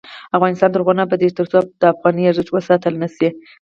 افغانستان تر هغو نه ابادیږي، ترڅو د افغانۍ ارزښت وساتل نشي.